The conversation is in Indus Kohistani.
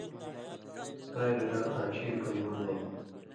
ساریۡ رال آن٘ڇھیۡ پلیؤں نَیں،